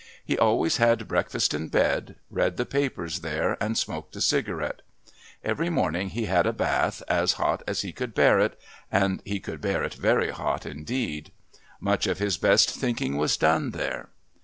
He always had breakfast in bed, read the papers there and smoked a cigarette. Every morning he had a bath as hot as he could bear it and he could bear it very hot indeed. Much of his best thinking was done there.